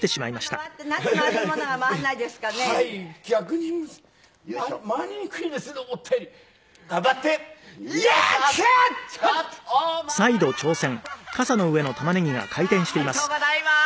おめでとうございます。